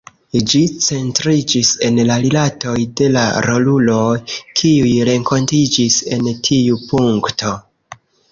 Ĝi centriĝis en la rilatoj de la roluloj, kiuj renkontiĝis en tiu punkto.